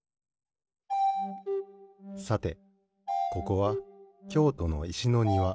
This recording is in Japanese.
さてここはきょうとのいしのにわ。